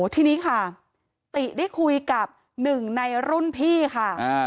ติะได้คุยกับหนึ่งในรุ่นพี่ค่ะ